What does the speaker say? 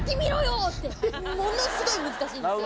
ものすごい難しいんですよ。